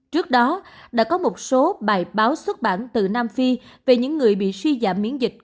trước đó đã có một số bài báo xuất bản từ nam phi về những người bị suy giảm miễn dịch